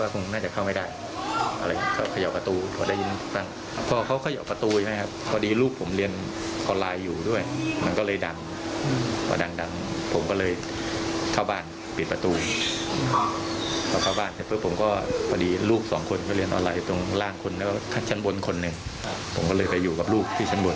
ผมก็เลยไปอยู่กับลูกที่ชั้นบน